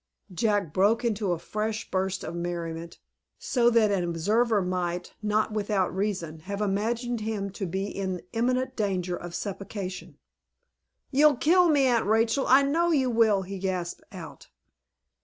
Jack broke into a fresh burst of merriment, so that an observer might, not without reason, have imagined him to be in imminent danger of suffocation. "You'll kill me, Aunt Rachel; I know you will," he gasped out.